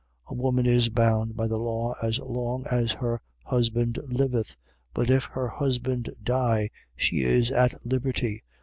7:39. A woman is bound by the law as long as her husband liveth: but if her husband die, she is at liberty.